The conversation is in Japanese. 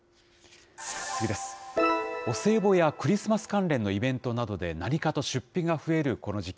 お歳暮やクリスマス関連のイベントなどで何かと出費が増えるこの時期。